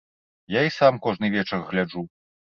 Я і сам кожны вечар гляджу.